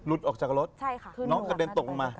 หลุดออกจากรถน้องกระเด็นตกมา